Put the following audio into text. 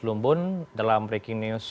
lumbun dalam breaking news